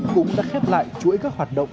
cũng đã khép lại chuỗi các hoạt động